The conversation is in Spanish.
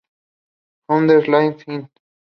Hombres Libres Inc.